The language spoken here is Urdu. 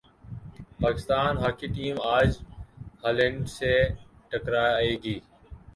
پاکستان ہاکی ٹیم اج ہالینڈ سے ٹکرا ئے گی